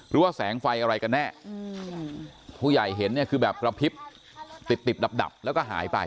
ว่าแสงไฟอะไรกันแน่ผู้ใหญ่เห็นเนี่ยคือแบบกระพริบติดติดดับแล้วก็หายไป